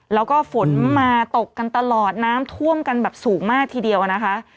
แล้วก็ฝนมาตกกันตลอดน้ำท่วมกันแบบสูงมากทีเดียวนะคะ